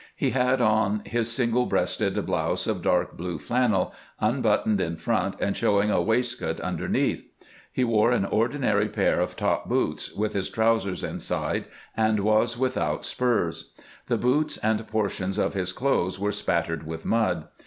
He had on his single breasted blouse of dark blue flannel, unbuttoned in front and showing a waistcoat underneath. He wore an ordinary pair of top boots, with his trousers inside, and was without spurs. The boots and portions of his clothes were spattered with mud.